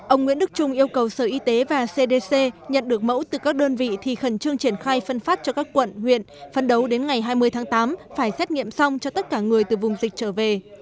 ông nguyễn đức trung yêu cầu sở y tế và cdc nhận được mẫu từ các đơn vị thì khẩn trương triển khai phân phát cho các quận huyện phân đấu đến ngày hai mươi tháng tám phải xét nghiệm xong cho tất cả người từ vùng dịch trở về